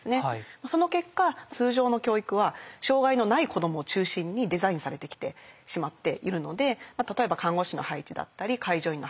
その結果通常の教育は障害のない子どもを中心にデザインされてきてしまっているので例えば看護師の配置だったり介助員の配置